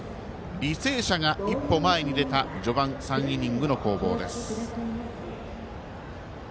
履正社が一歩前に出た序盤３イニングの攻防です。